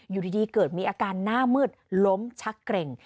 อยู่ดีเกิดมีอาการหน้ามืดล้มชักเกร็ง